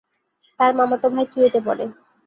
তার মামাতো ভাই চুয়েটে পড়ে।